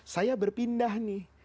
saya berpindah nih